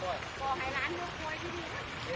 รายการอีกคนในประเทศไทยนี้มีอย่างคือ